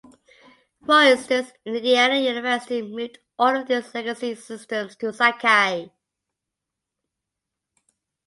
For instance, Indiana University moved all of its legacy systems to Sakai.